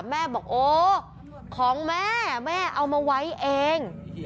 แม่บอกโอ้ของแม่แม่เอามาไว้เอง